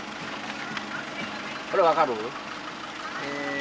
これ分かる？